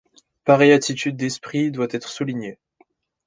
Pareille attitude d'esprit doit être soulignée.